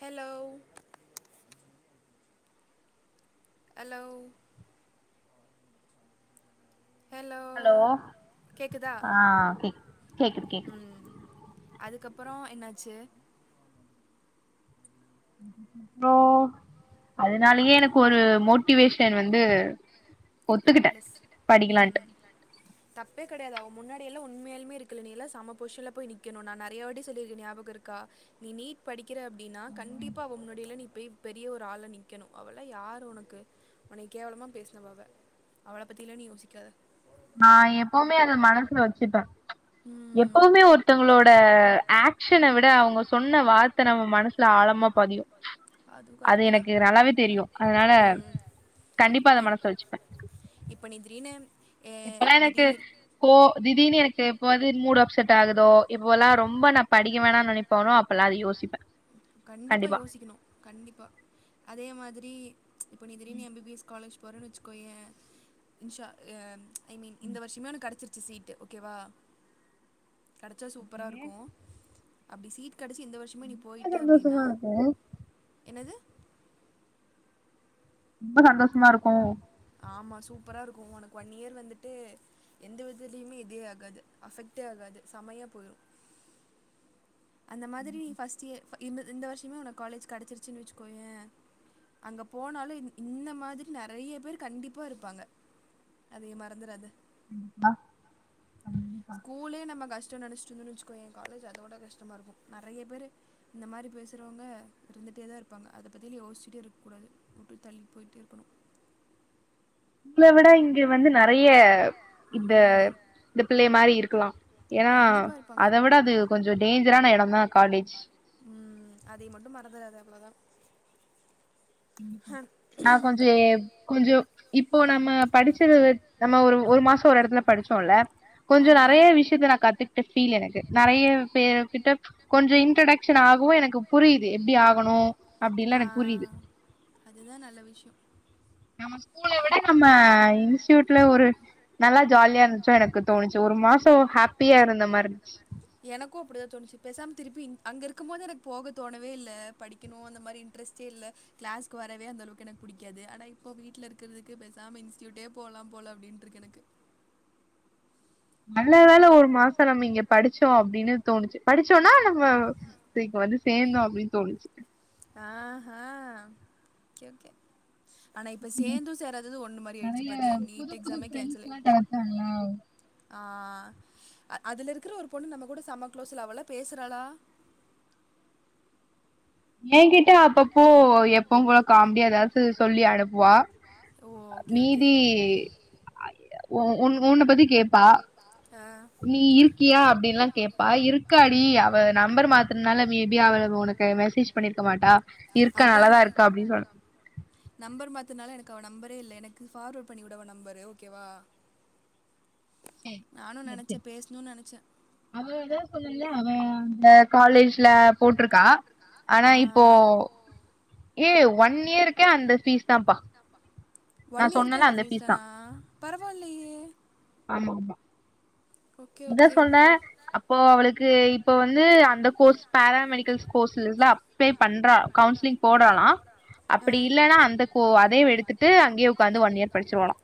hello hello hello ஆ கேக் கேக்குது‌ கேக்குது அதுக்கப்றோ என்னாச்சு ஹலோ அதுனாலயே எனக்கு ஒரு மோட்டிவேஷன் வந்து ப்ளஸ் ம் தப்பே கெடையாது அவ முன்னாடில்லா உண்மையாலுமே இருக்கக்குல்ல நீ இல்ல செம்ம பொஷிஷன்ல்ல போய் நிக்கணு நெறயா வாடி சொல்லிருக்கே ஞாபகோ இருக்கா நீ நீட் படிக்கிற அப்டின்னா கண்டிப்பா அவ முன்னாடி எல்லா நீ பேய் பெரிய ஒரு ஆளா நிக்கனு அவள யாரு உனக்கு உன்னைய கேவலமா பேசுனவ அவ அவள பத்தில நீ யோசிக்காத நா எப்போவுமே அத மனசுல வச்சுப்பே எப்பவுமே ஒருத்தங்ளோட ஆக்ஷனவிட அவுங்க சொன்ன வார்த் த்த நம்ம மனசுல ஆழமா பதியு அது எனக்கு நல்லாவே தெரியு அதனால கண்டிப்பா அத மனசு வச்சுப்பே இப்ப நீ திடிர்னு அ திடீர்னு போ திடீர்னு எனக் கு எப்பவாது மூடு அப்செட் ஆகுதோ இப்போல்லா ரொம்ப நா படிக்க வேணா நெனைப்போனோ அப்பெல்லா அத யோசிப்பே கண்டிப்பா யோசிக்கணு கண்டிப்பா அதே மாதிரி இப்ப நீ திடீர்னு எம் பி பிஎஸ் காலேஜ் போறேன்னு வச்சுக்கோயே இஸ்ஸா அ ஐமீன் இந்த வர்ஷமே கெடைச்சிருச்சு சீட் ஓகே வா கெடைச்சா சூப்பரா இருக்கு அப்டி சீட் கெடச்ச இந்த வர் ஷமே நீ பொய்ட்டே அப்டின்னா என்னது ஆமா சூப்பரா இருக்கு உனக்கு ஒன் இயர் வந்துட்டு எந்த விதலியுமே இதே ஆகாது அஃபெக்ட்டே ஆகாது செமையா பொய்டு அந்த மாதிரி ஃபஸ்டு இயர் இந்த இந்த வர்ஷமே உனக்கு காலேஜ் கெடச்சிருச்சினு வச்சுக்கோயே அங்க போனாலு இந்த மாரி நறய பேர் கண்டிப்பா இருப்பாங்க அதைய மறந்துறாத அ ஸ்கூலே நம்ம கஷ்டோ நெனச்சிட்டு இருதோனு வச்சுக்கோயே காலேஜ் அதோட கஷ்டமா இருக்கு நறைய பேரு இந்த மாரி பேசுறவங்க இருந்துதுட்டேதா இருப்பாங்க அத பத்திய யோசிச்சிட்டே இருக்க கூடாது முடி தள்ளி போய்டே இருக்கணு உங்ள விட இங்க வந்து நறைய இந்த இந்த பிள்ளைய மாரி இருக்கலா ஏன்னா அத விட அது கொஞ்சோ டேஞ்சரான எடோதா காலேஜ் ம் அதிய மட்டு மறதுறதா அவ்ளோதா நா கொஞ்சோ ஏ கொஞ்சோ இப்போ நம்ம படிச்ச நம்ம ஒரு ஒரு மாசோ ஒரு எடத்துல படிச்சோல கொஞ்சோ நறைய விஷயத்த நா கத்துக்கிட்ட ஃபீல் எனக்கு நறைய பேரு கிட்ட கொஞ்சோ இன்ட்ரடக்ஷன் ஆகவு எனக்கு புரியுது எப்டி ஆகணு அப்டின்னுலா எனக்கு புரியுது அதுதா நல்ல விஷ்யோ நம்ம ஸ்கூல விட நம்ம இன்ஸ்டூயூட்ல ஒரு நல்லா ஜாலியா இருன்ச்சோ எனக்கு தோணுச்சு ஒரு மாசோ ஹாப்பியா இருந்த மார்ருன்ச்சு எனக்கு அப்டி தா தோணுச்சு பெசாம திருப்பி இங் அங்கருக்கும் போது எனக் போக தோனவே இல்ல படிக்கணு அந்த மாரி இன்ட்ரெஸ்ட்டே இல்ல கிளாஸ்க்கு வரவே அந்தளவுக்கு எனக் புடிக்காது ஆனா இப்போ வீட்லரு க்கற்துக்கு பெசாம இன்ஸ்ட்யூட்டே போலா போல அப்டின்ட்ருக்கு எனக்கு நல்ல வேள ஒரு மாசோ நம்ம இங்க படிச்சோ அப்டின்னு தோணுச்சு படிச்சோனா நம்ம இப்ப வந்து சேந்தோ அப்டின் தோனுச்சு ஆ ஹா கே ஓகே ஆனா இப்ப சேந்து சேராதது ஒண்ணு மாரி ஆய்ருச்சு பாத்தியா நீட் எக்ஸாமே கேன்சல் ஆய்ர்ச்சு ஆ அ அதுலருக்ற ஒரு பொண்ணு நம்ம கூட செம்ம க்ளோஸ்ல அவளா பேசுறாளா ஏ கிட்ட அப்பப்போ எப்பவும்போல காம்டியா எதாச்சு சொல்லி அனுப்புவா மீதி ஒ ஒன் ஒன்ன பத்தி கேப்பா நீ இருக்கியா அப்டின்லா கேப்பா இரு க்காடி அவ நம்பர் மாத்துனால மேபி அவ ஒனக்கு மெசேஜ் பண்ணிருக்க மாட்டா இருக்கா நல்லாதாருக்கா அப்டின் சொன்னே நம்பர் மாத்துனால எனக்கு அவ நம்பரே இல்ல எனக்கு ஃபார்வர்ட் பண்ணிவுடு அவ நம்பரு ஓகேவா நானு நெனச்சே பேசணுன் நெனச்சே அவ எது சொல்லல அவே அந்த காலேஜ்ல போட்ருக்கா ஆனா இப்போ ஏ ஒன் இயருக்கே அந்த ஃபீஸ் தான்ப்பா ஒன் இயர்க்கே அந்த ஃபீஸ் தானா பரவால்லயே ஆமா ஆமா நீ தா சொன்ன அப் போ அவளுக்கு இப்ப வந்து அந்த கோர்ஸ் பேரா மெடிக்கல்ஸ் கோர்ஸ்ல அ ப்ளை பண்றா கவுன்சிலிங் போறாலா அப்பிடி இல்லனா அந்த கோ அதைவே எடுத்துட்டு அங்கயே ஒக்காந்து ஒன் இயர் படிச்சிருவாளா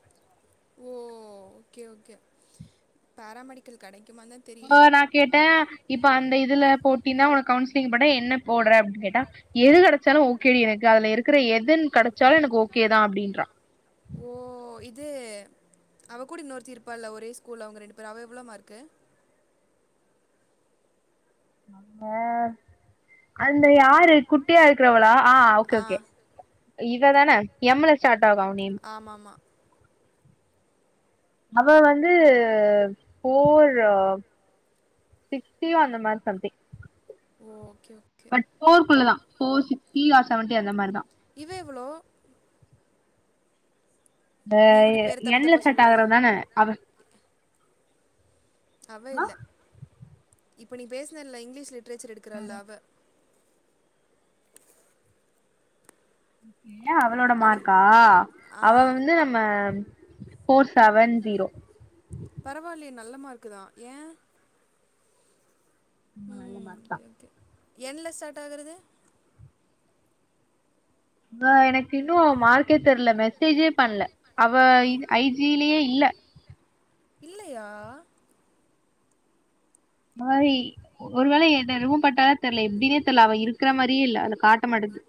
ஓ ஓகே ஓகே பேராமெடிக்கல் கெடைக்குமான்ந்தா ஆ நா கேட்டே இப்ப அந்த இதுல போட்டினா ஒனக் கவுன்சிலிங் போட்டா என்ன போட்ற அப்டின் கேட்டா எது கெடச்சாலு ஓகே டி எனக்கு அதுலருக்ற எதுன் கெடச்சாலு எனக்கு ஓகேதா அப்டின்றா ஓ இது அவ கூட இன்னொர்த்தி இருப்பாள்ல ஒரே ஸ்கூல் அவுங்க ரெண்டு பேரு அவ எவ்ளோ மார்க்கு [inaudible] அந்த யாரு குட்டையா இருக்றவளா ஆ ஓகே ஓகே இவ தானே எம்முல ஸ்டார்ட் ஆகு அவ நேம் ஆமாமா அவ வந்து ஃபோரு சிக்ஸ்ட்டி அந்த மார் சம்திங் ஓ ஓகே பட் ஃபோர்க்குள்ள தா ஃபோர் சிக்ஸ்ட்டி ஆர் செவன்ட்டி அந்த மார் தா இவ எவ்ளோ ஆ என்ல ஸ்டார்ட் ஆகுறதான அவ அவ இல்ல இப்ப நீ பேசுனல இங்கிலீஷ் லிட்ரேச்சர் எடுக்றாள அவ ஓகே அவளோட மார்க்கா அவ வந்து நம்ம ஃபோர் செவன் ஜீரோ பரவால்லயே நல்லமார்க்கு தா ஏ ஆமா நல்ல மார்க் தா என்ல ஸ்டார்ட் ஆகுறது ஆ எனக்கு இன்னும் மார்க்கே தெரியல மெசேஜே பண்ணல அவ ஐஜிலயே இல்ல இல்லையா மாரி ஒரு வேள ரிமூவ்பண்ணிட்டால தெரில எப்படின்னே தெரில அவ இருக்கிற மாரியே இல்ல அதை காட்ட மாட்டங்குது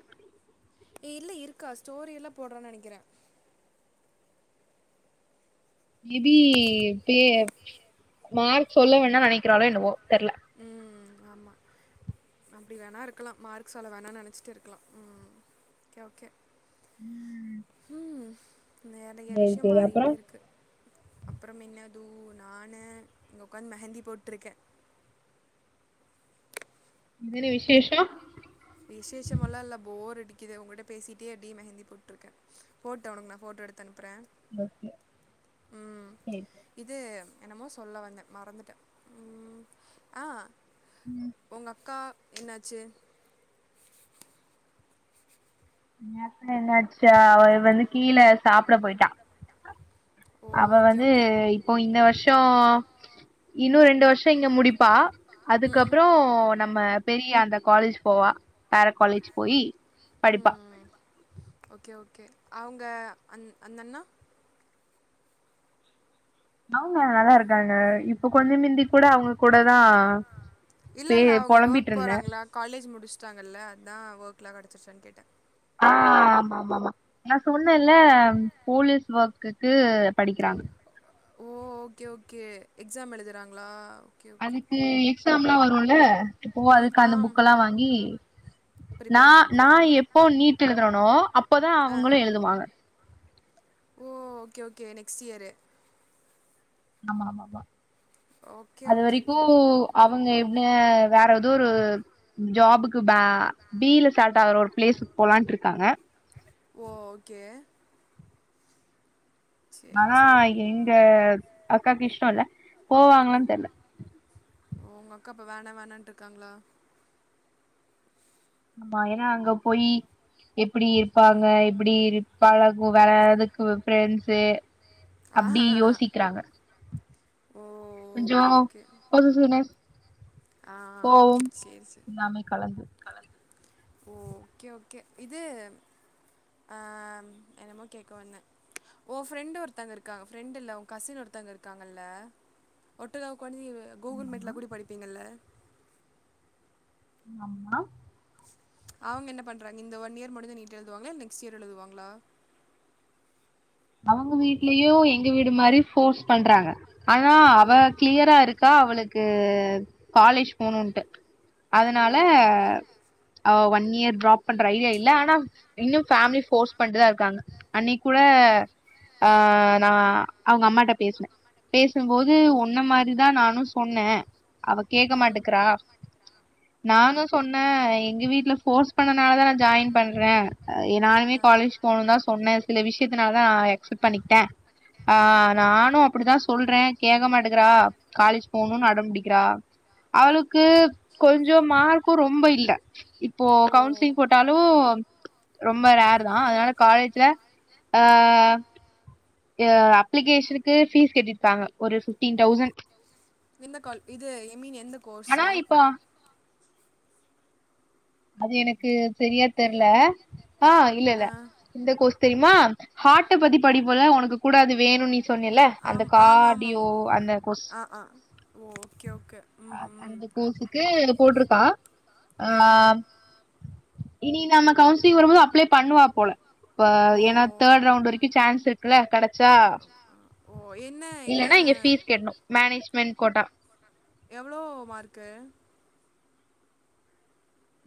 ஏ இல்ல இருக்கா ஸ்டோரி எல்லாம் போடுறான்னு நனைக்கிறேன் மே பி பே மார்க் சொல்ல வேன்னா நனைக்கிறாலோ என்னவோ தெரில உம் ஆமா அப்டி வேணாம் இருக்கலாம் மார்க் சொல்ல வேணாம்னு நனச்சிட்டு இருக்கலாம் உம் ஓகே ஓகே உம் உம் நறைய விஷயம் மாறிட்டே இருக்கு அப்ரோ என்னது நானு இங்கே உட்க்காந்து மெஹந்தி போட்டிருக்கேன் இனி விசேஷம் விசேஷம் எல்லாம் இல்ல போர் அடிக்குது உங்ககிட்ட பேசிட்டே அப்படியே மஹந்தி போட்டிருக்கேன் போட்டு உனக்கு நான் போட்டோ எடுத்து அனுப்புற ஓகே செரி இது என்னமோ சொல்ல வந்த மறந்துட்ட உம் ஆ உங்க அக்கா என்னாச்சு [inaudible] அப்ரோ என்னாச்சா அவ வந்து கீழ சாப்ட போயிட்டா அவ வந்து இப்போ இந்த வருஷம் இன்னும் ரெண்டு வருஷம் இங்க முடிப்பா அதுக்கப்ரோ நம்ம பெரிய அந்த காலேஜ் போவா வேற காலேஜ் போயி படிப்பா ஓகே ஓகே அவங்க அந் அந்தண்ணா அவங்க நல்லா இருக்காங்க இப்ப கொஞ்சோ முந்தி கூட அவங்க கூட தான் இல்லல அவங்க ஒர்க் போறாங்களா காலேஜ் முடிச்சுட்டாங்கல்ல அதுதான் ஒர்க்கெலாம் கடச்சிருச்சான் கேட்ட ஆ ஆமா ஆமா ஆமா நான் சொன்னேன்ல்ல போலீஸ் ஒர்க்குக்கு படிக்கிறா ஓ ஓகே ஓகே எக்ஸாம் எழுதுறாங்களா அதுக்கு எக்ஸாம்லா வருல இப்போ அதுக்கு அந்த புக்க எல்லாம் வாங்கி நான் நான் எப்போ நீட்டு எழுதுறனோ அப்போதான் அவங்களும் எழுதுவாங்க oh okay okay next year ஆமா ஆமா ஆமா அது வரைக்கூ அவங்க எப்ன வேற ஏதோ ஒரு ஜாபுக்கு பா பில ஸ்டார்ட் ஆகற ஒரு பிளேஸுக்கு போகலான் இருக்காங்க ஓ ஓகே ஆனா எங்க அக்காக்கு இஷ்டம் இல்ல போவாங்களான்னு தெர்ல ஓ உங்க அக்கா அப்போ வேண வேணன்ட்டுருக்காங்களா ஆமா ஏனா அங்க போயி எப்படி இருப்பாங்க எப்படி இருப்ப [unintelligible] பிரெண்ட்ஸு அப்டி யோசிக்கிறாங்க கொஞ்சோ பொரு துனே கோவம் எல்லாமே கலந்து ஓ ஓகே ஓகே இது ஆ என்னமோ கேட்க வந்த ஓ ஃப்ரெண்ட் ஒருத்தாங்க ஃப்ரெண்ட் இல்ல உன் கசின் ஒருத்தவங்க இருக்காங்கல்ல ஒட்டகா உகாி கூகுள் மீட்ல் கூட படிப்பீங்கள்ல்ல ஆமா அவங்க என்ன பண்றாங்க இந்த ஒன் இயர் முடிஞ்சு நீட் எழுதுாங்களா நெக்ஸ்ட் இயர் எழுதுவாங்களா அவங்க வீட்லயும் எங்க வீடு மாரி ஃபோர்ஸ் பண்றாங்க ஆனா அவ கிளியரா இருக் கா அவளுக்கு காலேஜ் போணும்ட்டு அதனால அவ ஒன் இயர் ட்ராப் பண்ற ஐடியா இல்ல ஆனா இன்னும் ஃபேமிலி ஃபோர்ஸ் பண்ட்டுதான் இருக்காங்க அன்னக்கி கூட ஆ நா அவுங்க அம்மாட்ட பேஸ்னேன் பேசும்போது உன்ன மாரிதான் நானும் சொன்னேன் அவ கேட்க மாட்டுக்றா ஆ நானும் சொன்னேன் எங்க வீட்டுல ஃபோர்ஸ் பண்ணனால தான் நா ஜாயின் பண்றேன் எ நானுமே காலேஜ் போணு தான் சொன்னேன் சில விஷயத்துனால தான அக்செப்ட் பண்ணிக்கிட்டேன் ஆ நானும் அப்டித்தான் சொல்றேன் கேக்க மாட்டுக்கிறா காலேஜ் போணும்னு அடம் பிடிக்கிறா அவளுக்கு கொஞ்சம் மார்க்கும் ரொம்ப இல்ல இப்போ கவுன்சிலிங் போட்டாலும் ரொம்ப ரேர் தான் அதனால காலேஜ்ல அ எ அப்ளிகேஷனுக்கு ஃபீஸ் கட்டிருப்பாங்க ஒரு ஃபிஃப்டீன் தௌசண்ட் எந்த கால் இது ஐ மீன் எந்த கோர்ஸு அது எனக்கு தெரியா தெரியல ஆ இல்லல்ல எந்த கோஸ் தெரியுமா ஹார்ட பத்தி படிப்போல உனக்கு கூட அது வேணுன்னு நீ சொன்னல்ல அந்த காடியோ அந்த கோஸ் அந்த கோஸு க்கு போட்ருக்கா நா இனி நம்ம கவுன்சிலிங் வரும்போது அப்ளே பண்ணுவா போல இப்ப ஏன்னா தேட் ரவுண்ட் வரைக் க்கு சான்ஸ் இருக்குல்ல கெடைச்சா இல்லன்னா இங்க ஃபீஸ் கட்ணும் மேனேஜ்மெண்ட் கோட்டா எவ்ளோ மார்க்கு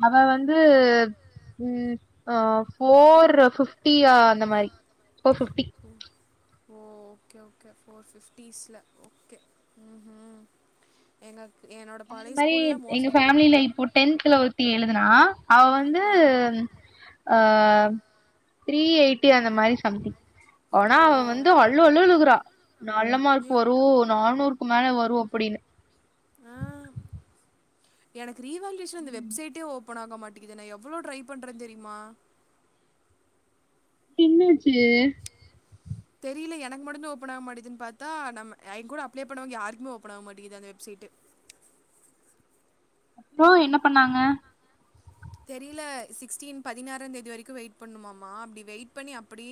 அவ வந்து ம் ஆ ஃபோர் ஃபிஃப்டியா அந்த மாரி four fifty okay oh okay okay four ஃபிஃப்டிஸ்ல ஓகே ம் ம் எங்களுக்கு என்னோட அதே மாரி எங்க ஃபேமிலில இப்போ டென்த்தல ஒரு த்தி எழுதுனா அவ வந்து அ த்ரீ எயிட்டி அந்த மாரி சம்திங் ஆனா அவன் வந்து அ அழு அழு அழுகுறா நல்ல மார்க் வரும் நானூறுக்கு மேல வரும் அப்டின்னு எனக்கு ரீவல்யூஷன் இந்த வெப்சைட்டே ஓப்பன் ஆக மாட்டிக்குது நா எவ்ளோ ட்ரை பண்றேன் தெரியுமா என்னாச்சு தெரியில எனக்கு மட்டும் ஓப்பன் ஆக மாட்டிதுன்னு பாத்தா கூட நம்ம என் கூட அப்ளே பண்ணவங்க யாருக்குமே ஓப்பன் ஆக மாட்டிக்குது அந்த வெப்சைட்டு அதா என்ன பண்ணாங்க தெரில சிக்ஸ்டீன் பதினாறாம்ந்தேதி வரைக்கும் வெயிட் பண்ணுமாமா அப்டி வெயிட் பண்ணி அப்டி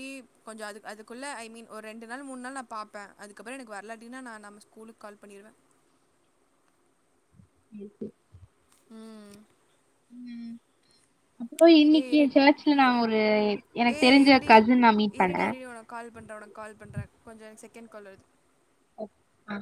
கொஞ்சம் அது அதுக்குள்ள ஐ மின் ஒரு ரெண்டு நாள் முணு நாள் நான ப்பேன் அதுப்பறம் எனக்கு வரலாட்டின்னா நா நம்ம ஸ்கூல்லுக்கு கால் பண்ணிருவேன் சேர் செ ம் ம் அப்றோ இன்னைக்கு சர்ச்சுல நா ஒரு எனக்கு தெரிஞ்ச கசின் நா மீட் பண்ணேன் கால் பண்ற உனக்கு கால் பண்றன் கொஞ்சம் எனக்கு செகண்ட் கால் வருது அ